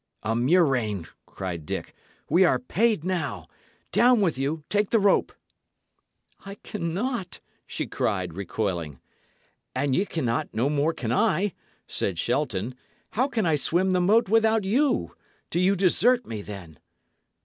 "A murrain!" cried Dick. "We are paid now! Down with you take the rope." "I cannot," she cried, recoiling. "An ye cannot, no more can I," said Shelton. "How can I swim the moat without you? Do you desert me, then?"